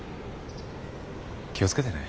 気を付けてね。